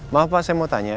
maaf pak saya mau tanya